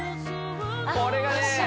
これがね